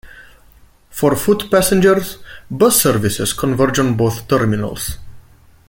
For foot passengers, bus services converge on both terminals.